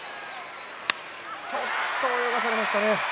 ちょっと泳がされましたね。